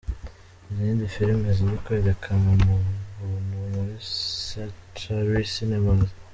Izindi Filime ziri kwerekanwa ku buntu muri Century Cinemas: .